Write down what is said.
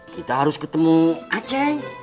kita harus ketemu aceng